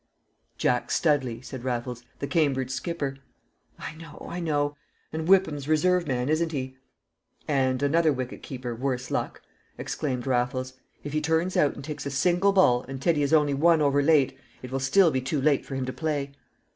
'" "Jack Studley," said Raffles, "the Cambridge skipper." "I know! I know! And Whipham's reserve man, isn't he?" "And another wicket keeper, worse luck!" exclaimed Raffles. "If he turns out and takes a single ball, and Teddy is only one over late, it will still be too late for him to play."